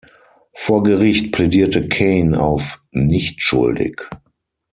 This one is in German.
Vor Gericht plädierte Kane auf „nicht schuldig“.